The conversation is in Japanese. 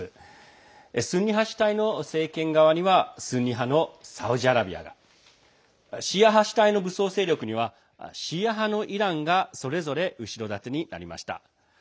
スンニ派主体の政権側にはスンニ派のサウジアラビアがシーア派主体の武装勢力にはシーア派のイランがそれぞれ後ろ盾になりました。